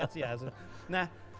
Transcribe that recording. kalau ada satu momen di